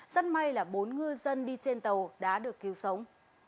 rất may là bốn ngư dân đi trên tàu đã được cứu sống